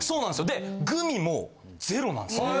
でグミもゼロなんです。